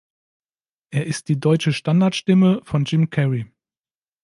Er ist die deutsche Standardstimme von Jim Carrey.